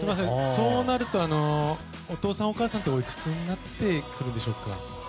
そうなるとお父さん、お母さんはおいくつになってくるんでしょうか？